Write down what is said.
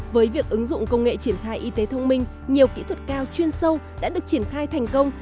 với việc ứng dụng công nghệ triển khai y tế thông minh nhiều kỹ thuật cao chuyên sâu đã được triển khai thành công